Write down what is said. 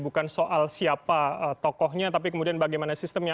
bukan soal siapa tokohnya tapi kemudian bagaimana sistemnya